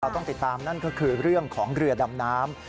ต้องติดตามนั่นก็คือเรื่องของเรือดำน้ำ